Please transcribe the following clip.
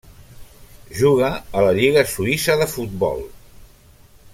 Juga a la lliga suïssa de futbol.